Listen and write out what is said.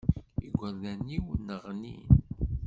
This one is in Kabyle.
Igerdan-iw nneɣnin.